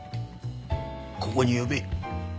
ここに呼べ